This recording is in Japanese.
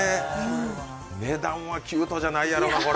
値段はキュートじゃないやろな、これ。